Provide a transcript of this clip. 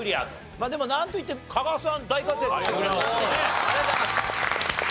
まあでもなんといってもありがとうございます。